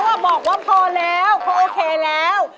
ป้ะเขาอะบอกว่าพอแล้วเค้าโอเคแล้ว